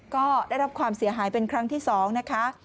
ก็ได้รับความเสียหายเป็นครั้งที่๒นะคะ